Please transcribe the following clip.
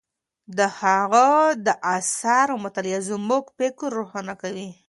د هغه د آثارو مطالعه زموږ فکر روښانه کوي.